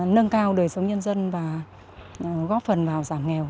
nâng cao đời sống nhân dân và góp phần vào giảm nghèo